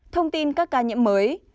thông tin các ca nhiễm mới